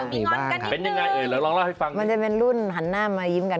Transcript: มีงอนกันนิดนึงมันจะเป็นรุ่นหันหน้ามายิ้มกัน